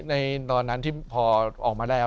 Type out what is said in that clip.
ในตอนนั้นที่พอออกมาแล้ว